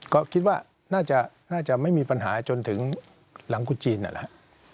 ก็คิดว่าน่าจะไม่มีปัญหาจนถึงหลังกุฎจีนนั่นแหละ